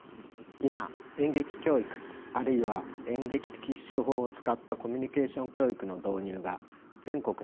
今演劇教育あるいは演劇的手法を使ったコミュニケーション教育の導入が全国に広がっています。